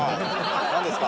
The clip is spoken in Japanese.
何ですか？